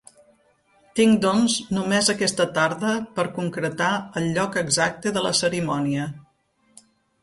Tinc, doncs, només aquesta tarda per concretar el lloc exacte de la cerimònia.